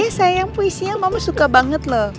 makasih ya sayang puisinya mama suka banget loh